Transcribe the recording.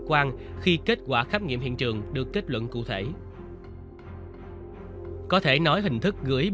quan khi kết quả khám nghiệm hiện trường được kết luận cụ thể có thể nói hình thức gửi